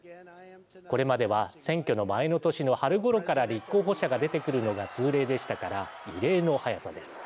これまでは選挙の前の年の春ごろから立候補者が出てくるのが通例でしたから異例の早さです。